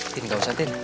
tin gak usah tin